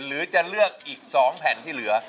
หรือจะเลือกอีก๒แผ่นที่เหลือ